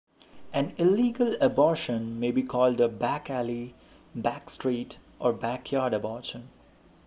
An illegal abortion may be called a "back-alley", "backstreet", or "back-yard" abortion.